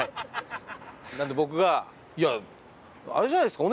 なので僕が「いやあれじゃないですか？